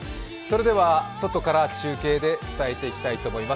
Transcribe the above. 外から中継で伝えていきたいと思います。